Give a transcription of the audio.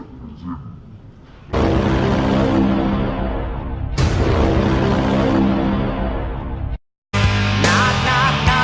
ไม่รักอายใจก็ไม่เป็นไร